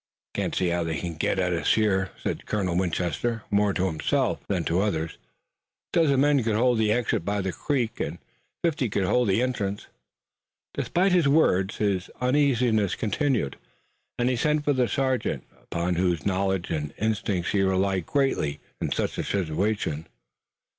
"I can't see how they can get at us here," said Colonel Winchester, more to himself than to the others. "A dozen men could hold the exit by the creek, and fifty could hold the entrance." Despite his words, his uneasiness continued and he sent for the sergeant, upon whose knowledge and instincts he relied greatly in such a situation.